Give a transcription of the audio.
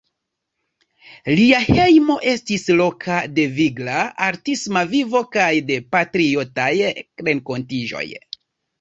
Lia hejmo estis loko de vigla artisma vivo kaj de patriotaj renkontiĝoj.